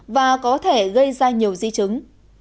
và có thể gây ra nhiều di trứng